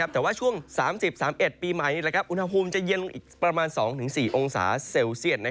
แต่ว่าช่วง๓๐๓๑ปีใหม่นี้อุณหภูมิจะเย็นลงอีกประมาณ๒๔องศาเซลเซียต